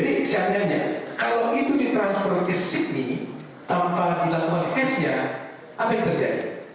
jadi seandainya kalau itu di transfer ke sini tanpa dilakukan hashnya apa yang terjadi